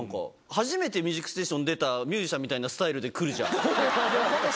初めてミュージックステーション出たミュージシャンみたいなスタイルで来るじゃん。